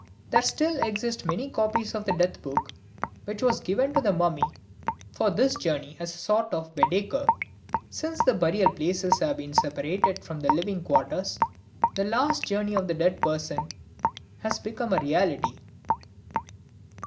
There still exist many copies of the "death book" which was given to the mummy for this journey as a sort of Baedeker. Since the burial places have been separated from the living quarters, the last journey of the dead person has become a reality.